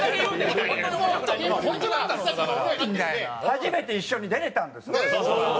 初めて一緒に出れたんですもん。